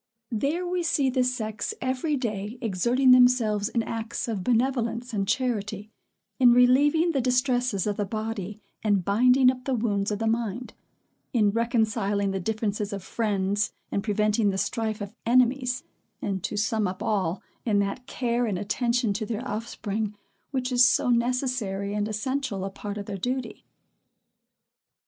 There we see the sex every day exerting themselves in acts of benevolence and charity, in relieving the distresses of the body, and binding up the wounds of the mind; in reconciling the differences of friends, and preventing the strife of enemies; and, to sum up all, in that care and attention to their offspring, which is so necessary and essential a part of their duty.